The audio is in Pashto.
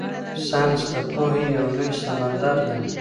ساینس د پوهې یو لوی سمندر دی.